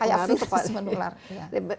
kayak virus menular